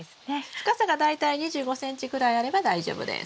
深さが大体２５ｃｍぐらいあれば大丈夫です。